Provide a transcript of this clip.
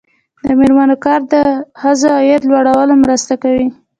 د میرمنو کار د ښځو عاید لوړولو مرسته کوي.